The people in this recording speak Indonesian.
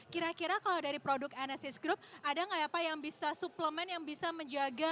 kira kira kalau dari produk enesis group ada nggak ya pak yang bisa suplemen yang bisa menjaga